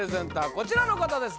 こちらの方です